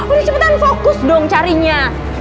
udah cepetan fokus dong carinya